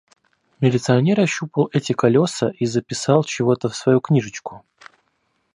Милиционер ощупал эти колёса и записал чего-то в свою книжечку.